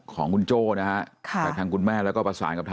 ของคุณโจ้นะครับ